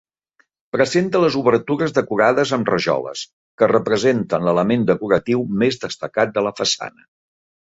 Presenta les obertures decorades amb rajoles, que representen l'element decoratiu més destacat de la façana.